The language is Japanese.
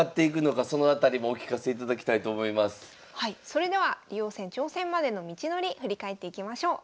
それでは竜王戦挑戦までの道のり振り返っていきましょう。